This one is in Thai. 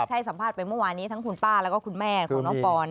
ให้สัมภาษณ์ไปเมื่อวานี้ทั้งคุณป้าแล้วก็คุณแม่ของน้องปอน